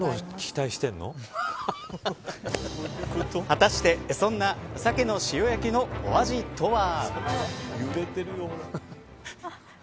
果たしてそんなサケの塩焼きのお味とは。